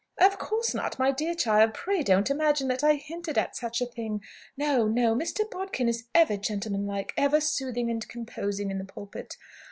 "Of course not, my dear child. Pray don't imagine that I hinted at such a thing. No, no; Mr. Bodkin is ever gentleman like, ever soothing and composing, in the pulpit.